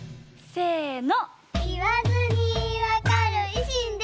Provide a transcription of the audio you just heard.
せの！